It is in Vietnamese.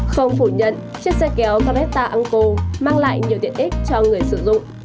không phủ nhận chiếc xe kéo caretta uncle mang lại nhiều tiện ích cho người sử dụng